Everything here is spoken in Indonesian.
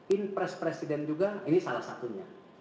inpres presiden juga ini salah satunya